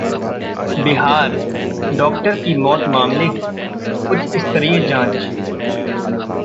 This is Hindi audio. बिहार: डॉक्टर की मौत मामले की उच्चस्तरीय जांच